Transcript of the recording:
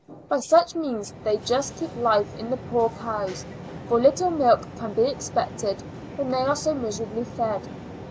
By such means they just keep life in the poor cows, for little milk can be expected when they are so miserably fed.